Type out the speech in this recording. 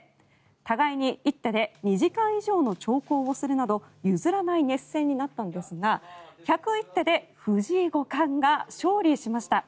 互いに一手で２時間以上の長考をするなど譲らない熱戦になったんですが１０１手で藤井五冠が勝利しました。